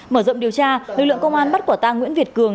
mở rộng điều tra lực lượng công an bắt của ta nguyễn việt cường